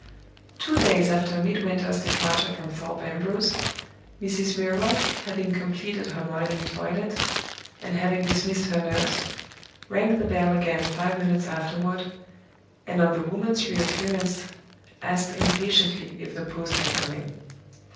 Two days after Midwinter's departure from Thorpe Ambrose, Mrs. Milroy, having completed her morning toilet, and having dismissed her nurse, rang the bell again five minutes afterward, and on the woman's re appearance asked impatiently if the post had come in.